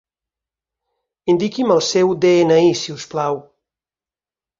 Indiqui'm el seu de-ena-i, si us plau.